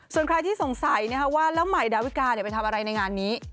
ส่วนใครที่สงสัยว่าแล้วใหม่ดาวิกาไปทำอะไรในงานนี้